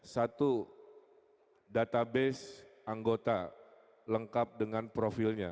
satu database anggota lengkap dengan profilnya